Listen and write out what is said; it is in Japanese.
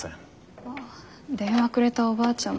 ああ電話くれたおばあちゃん